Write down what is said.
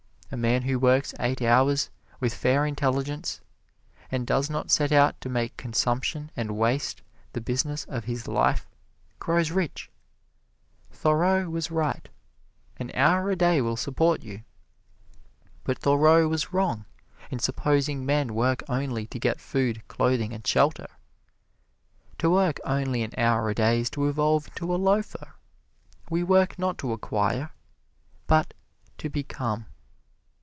A man who works eight hours, with fair intelligence, and does not set out to make consumption and waste the business of his life, grows rich. Thoreau was right an hour a day will support you. But Thoreau was wrong in supposing men work only to get food, clothing and shelter. To work only an hour a day is to evolve into a loafer. We work not to acquire, but to become.